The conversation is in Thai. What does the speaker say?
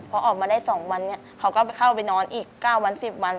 เพราะออกมาได้สองวันเขาก็เข้าไปนอนอีก๙๑๐วัน